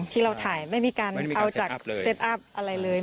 ที่เราถ่ายไม่มีการเอาจากเซตอัพอะไรเลย